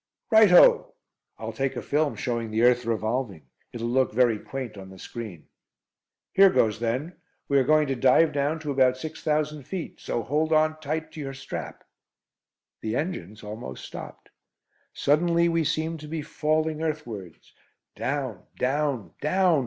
"Right ho!" "I'll take a film showing the earth revolving. It'll look very quaint on the screen." "Here goes then. We are going to dive down to about six thousand feet, so hold on tight to your strap." The engines almost stopped. Suddenly we seemed to be falling earthwards. Down down down!